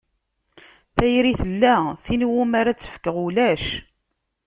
Tayri tella, tin iwumi ara tt-fkeɣ ulac.